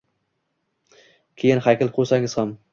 Keyin haykal qo’ysangiz ham